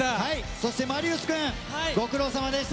そして、マリウス君ご苦労さまでした！